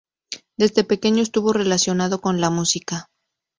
Desde pequeño estuvo relacionado con la música.